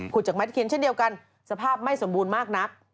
จากไม้ตะเคียนเช่นเดียวกันสภาพไม่สมบูรณ์มากนัก